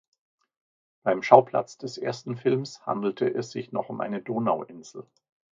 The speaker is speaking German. Beim Schauplatz des ersten Films handelte es sich noch um eine Donauinsel.